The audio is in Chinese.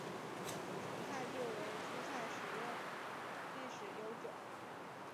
芹菜作为蔬菜食用历史悠久。